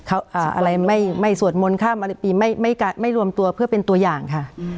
อะไรไม่สวดมนต์ข้ามอะไรปีไม่ไม่รวมตัวเพื่อเป็นตัวอย่างค่ะ